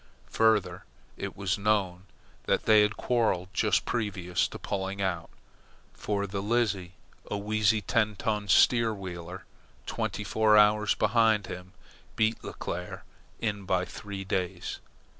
Further, it was known that they had quarrelled just previous to pulling out; for the Lizzie, a wheezy ten ton stern wheeler, twenty four hours behind, beat Leclere in by three days.